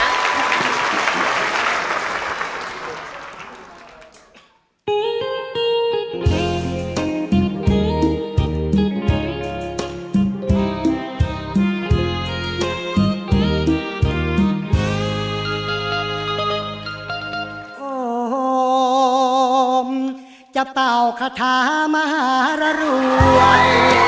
โอ้โหจะเต่าคาถามหารรวย